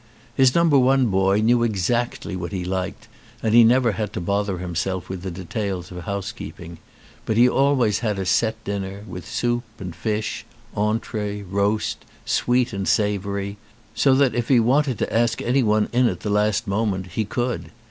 His number one boy knew exactly what he liked and he never had to bother himself with the details of housekeeping; but he always had a set dinner with soup and fish, entree, roast, sweet and sav oury, so that if he wanted to ask anyone in at the last moment he could.